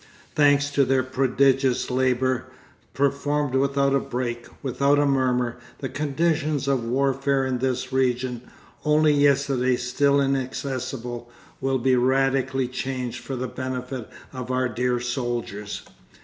Thanks to their prodigious labour, performed without a break, without a murmur, the conditions of warfare in this region, only yesterday still inaccessible, will be radically changed for the benefit of our dear soldiers.